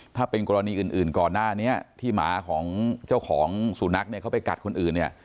ถ้าเป็นกรณีอื่นก่อนหน้านี้ที่หมาของเจ้าของสุนัขเนี่ยเขาไปกัดคนอื่นเนี่ย